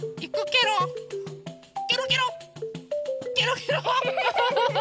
ケロケロケロケロ。